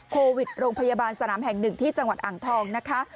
โควิดโรงพยาบาลสนามแห่งหนึ่งที่จังหวัดอ่างทองนะคะ